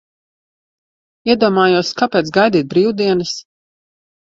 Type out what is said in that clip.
Iedomājos, kāpēc gaidīt brīvdienas?